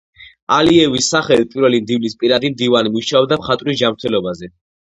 ალიევის სახელით, პირველი მდივნის პირადი მდივანი მუშაობდა მხატვრის ჯანმრთელობაზე.